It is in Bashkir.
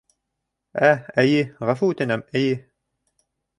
Ә, эйе... ғәфү үтенәм., эйе...